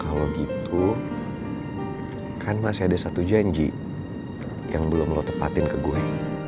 kalau gitu kan masih ada satu janji yang belum lo tepatin ke gue